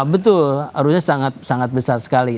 betul arusnya sangat sangat besar sekali